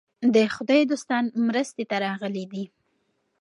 د خدای دوستان مرستې ته راغلي دي.